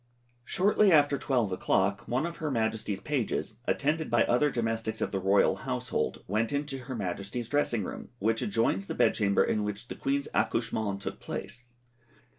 Shortly after 12 o'clock one of her Majesty's pages, attended by other domestics of the royal household, went into her Majesty's dressing room, which adjoins the bed chamber in which the Queen's accouchement took place.